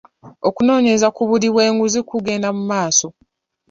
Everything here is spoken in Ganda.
Okunoonyereza ku buli bw'enguzi kugenda mu maaso.